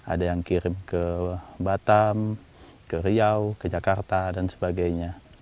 ada yang kirim ke batam ke riau ke jakarta dan sebagainya